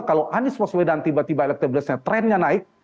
kalau anies waswedan tiba tiba elektabilitasnya trennya naik